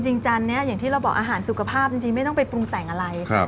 จานนี้อย่างที่เราบอกอาหารสุขภาพจริงไม่ต้องไปปรุงแต่งอะไร